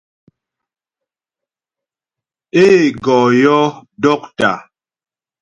Ê gɔ yɔ́ dɔ́ktà.